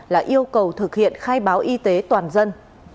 là yêu cầu thực hiện khai báo y tế toàn dân